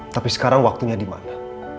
tapi sekarang waktunya dimana